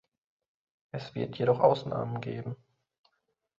Es wird jedoch Ausnahmen geben.